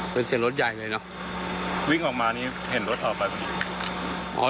เป็นเสียงรถใหญ่ไงเนี่ยเนี่ยเนาะ